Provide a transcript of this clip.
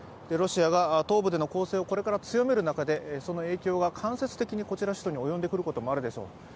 ロシアが東部での攻勢をこれから強める中で、その影響が間接的にこちらの首都に及んでくることもあるでしょう。